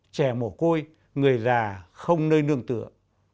trẻ mổ côi người già không nơi nương tựa